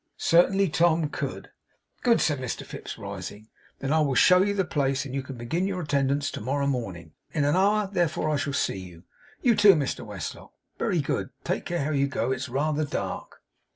Certainly Tom could. 'Good,' said Mr Fips, rising. 'Then I will show you the place; and you can begin your attendance to morrow morning. In an hour, therefore, I shall see you. You too, Mr Westlock? Very good. Take care how you go. It's rather dark.